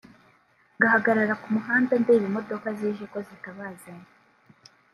ngahagara ku muhanda ndeba imodoka zije ko zitabazanye